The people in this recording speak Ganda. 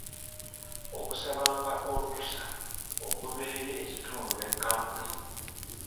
Okusabanga olukusa okuva eri ekitundu ne kkampuni.